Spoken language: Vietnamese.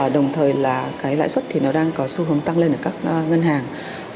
đồng thời là cái lãi suất thì nó đang có xu hướng tăng lên ở các ngân hàng